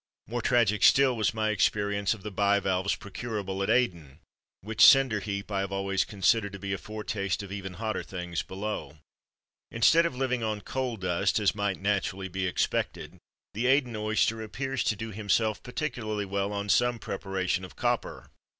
More tragic still was my experience of the bivalves procurable at Aden which cinder heap I have always considered to be a foretaste of even hotter things below. Instead of living on coal dust (as might naturally be expected) the Aden oyster appears to do himself particularly well on some preparation of copper.